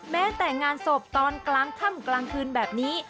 แม้แต่งานศพตอนกลางค่ำกลางคืนแบบนี้